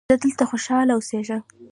زه دلته خوشحاله اوسیږم.